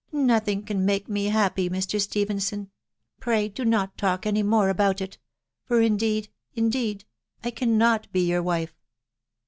"" Nothing can make me happy, Mr. Stephenson ; pray do not talk any more about it, for indeed, indeed, I cannot be your wife."